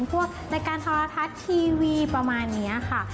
พวกรายการโทรทัศน์ทีวีประมาณนี้ค่ะ